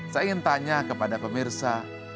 saya ingin tanya kepada pemirsa